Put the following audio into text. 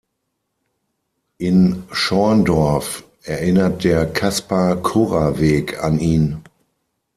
In Schorndorf erinnert der Kaspar-Kurrer-Weg an ihn.